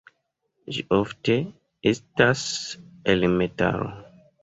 Ĝi ofte estas el metalo.